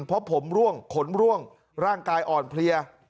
เพราะผมร่วงขนร่วงร่างกายอ่อนเพลีย